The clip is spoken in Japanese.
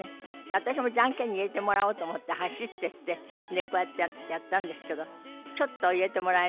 私もジャンケンに入れてもらおうと思って走ってってこうやってやったんですけどちょっと入れてもらえなくて。